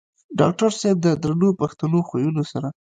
ډاکټر صېب د درنو پښتنو خويونو سره